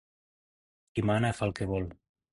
Qui mana fa el que vol.